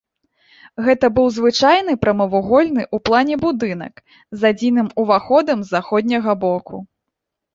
Гэта быў звычайны прамавугольны ў плане будынак з адзіным уваходам з заходняга боку.